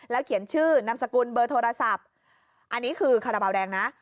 เขียนชื่อนามสกุลเบอร์โทรศัพท์อันนี้คือคาราบาลแดงนะ